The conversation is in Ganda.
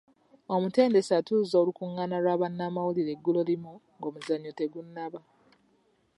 Omutendesi atuuza olukungaana lwa bannamawulire eggulo limu ng'omuzannyo tegunnaba.